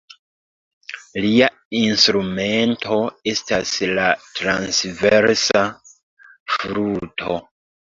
Lia instrumento estas la transversa fluto.